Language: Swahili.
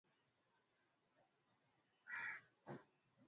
watawala wa kujitegemea Baada ya uvamizi wa Wamongolia